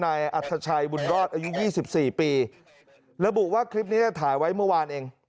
นายอัธชัยบุญรอดอายุยี่สิบสี่ปีระบุว่าคลิปนี้จะถ่ายไว้เมื่อวานเอง